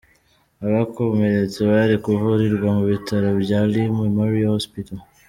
Abakomeretse bari kuvurirwa mu bitaro bya Lee Memorial Hospital.